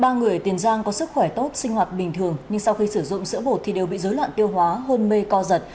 ba người ở tiền giang có sức khỏe tốt sinh hoạt bình thường nhưng sau khi sử dụng sữa bột thì đều bị dối loạn tiêu hóa hôn mê co giật